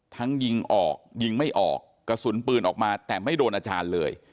ยิงออกยิงไม่ออกกระสุนปืนออกมาแต่ไม่โดนอาจารย์เลย